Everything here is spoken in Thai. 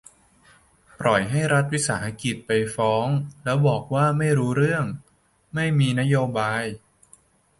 ปล่อยให้รัฐวิสาหกิจไปฟ้อง แล้วบอกว่าไม่รู้เรื่อง ไม่มีนโยบาย